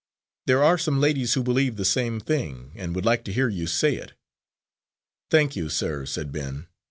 There are some ladies who believe the same thing, and would like to hear you say it." "Thank you, sir," said Ben.